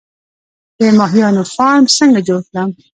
د ماهیانو فارم څنګه جوړ کړم؟